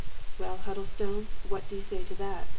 " Well, Huddlestone, what do you say to that